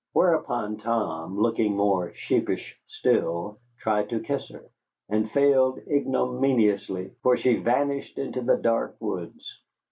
Whereupon Tom, looking more sheepish still, tried to kiss her, and failed ignominiously, for she vanished into the dark woods.